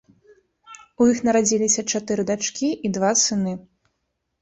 У іх нарадзілася чатыры дачкі і два сыны.